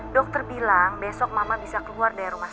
dokter bilang besok mama bisa keluar dari rumah sakit